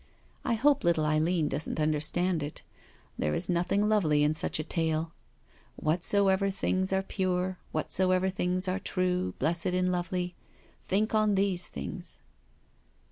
I hope little Eileen doesn't understand it — ^there is nothing lovely, in such a tale. ' Whatsoever things are pure, whatso ever things are true, blessed and lovely — ^think on these things.'